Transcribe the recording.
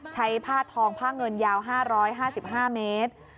ผ้าทองผ้าเงินยาว๕๕เมตร